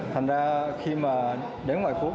thành ra khi mà đến ngoại quốc